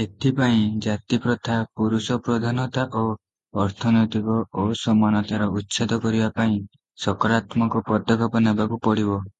ଏଥିପାଇଁ ଜାତିପ୍ରଥା, ପୁରୁଷପ୍ରଧାନତା ଓ ଅର୍ଥନୈତିକ ଅସମାନତାର ଉଚ୍ଛେଦ କରିବା ପାଇଁ ସକାରାତ୍ମକ ପଦକ୍ଷେପ ନେବାକୁ ପଡ଼ିବ ।